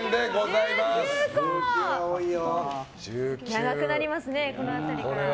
長くなりますね、この辺りから。